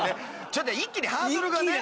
ちょっと一気にハードルがね。